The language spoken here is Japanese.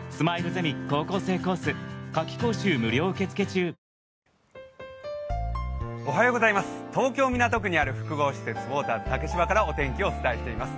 「ハミング」史上Ｎｏ．１抗菌東京・港区にある複合施設、ウォーターズ竹芝からお天気をお伝えしています。